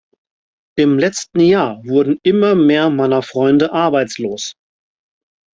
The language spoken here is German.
Im letzten Jahr wurden immer mehr meiner Freunde arbeitslos.